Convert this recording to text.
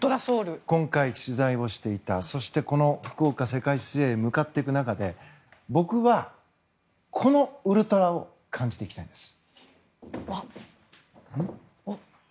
今回、取材をしていたそして、世界水泳福岡に向かっていく中で僕は、このウルトラを感じていきたいんです。